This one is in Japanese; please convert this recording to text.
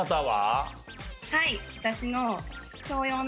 はい。